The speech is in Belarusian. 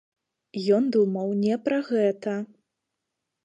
Ён думаў не пра гэта.